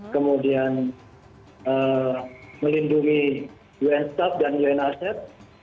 kemudian melindungi un staff dan un asset